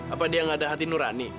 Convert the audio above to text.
apa dia nggak ada hati nurani